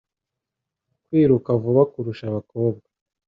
kwiruka vuba kurusha abakobwa